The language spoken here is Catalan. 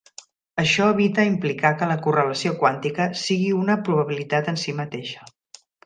Això evita implicar que la correlació quàntica sigui una probabilitat en si mateixa.